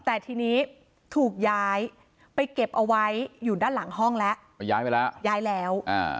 แต่ทีนี้ถูกย้ายไปเก็บเอาไว้อยู่ด้านหลังห้องแล้วไปย้ายไปแล้วย้ายแล้ว